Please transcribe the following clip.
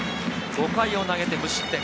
５回を投げて無失点。